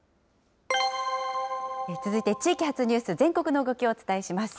続いて、地域発ニュース、全国の動きをお伝えします。